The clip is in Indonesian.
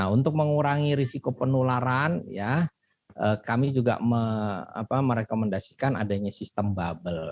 untuk mengurangi risiko penularan kami juga merekomendasikan adanya sistem bubble